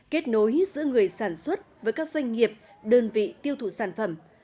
kết nối giữa người sản xuất với các doanh nghiệp đơn vị tiêu thụ sản phẩm